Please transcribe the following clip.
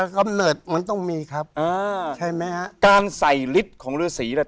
กำเนิดมันต้องมีครับอ่าใช่ไหมฮะการใส่ฤทธิ์ของฤษีเนี่ย